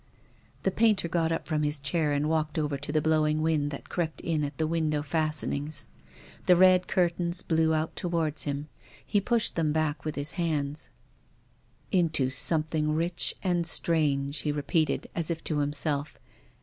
Tiie painter got up from his chair and walked over to the blowing wind that crept in at the window fastenings. The red curtains flew out towards him. He pushed them back with his hands. "* Into something rich and strange,' " he re peated, as if to himself.